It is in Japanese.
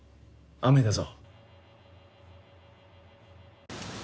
雨だぞ。